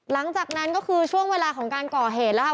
หลังจากนั้นก็คือช่วงเวลาของการก่อเหตุแล้วค่ะ